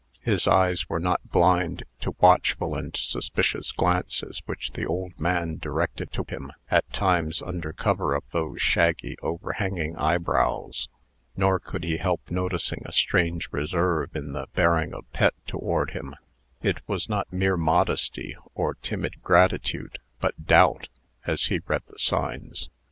His eyes were not blind to watchful and suspicious glances which the old man directed to him, at times, under cover of those shaggy, overhanging eyebrows. Nor could he help noticing a strange reserve in the bearing of Pet toward him. It was not mere modesty, or timid gratitude, but DOUBT, as he read the signs.